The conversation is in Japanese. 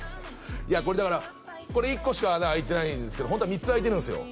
いやだからこれ１個しか穴あいてないんすけどホントは３つあいてるんすよ